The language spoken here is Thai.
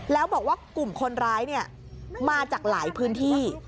แล้วบอกว่ากลุ่มคนร้ายมาจากหลายพื้นที่